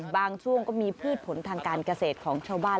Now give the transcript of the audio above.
ช่วงก็มีพืชผลทางการเกษตรของชาวบ้าน